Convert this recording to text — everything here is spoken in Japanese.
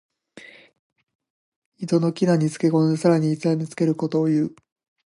人の危難につけ込んでさらに痛めつけることをいう。